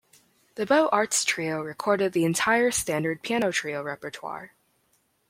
The Beaux Arts Trio recorded the entire standard piano trio repertoire.